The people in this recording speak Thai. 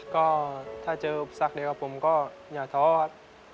ก็ถ้าเจอสักเดียวผมก็อย่าท้อครับ